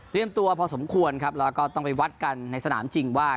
ตัวพอสมควรครับแล้วก็ต้องไปวัดกันในสนามจริงว่า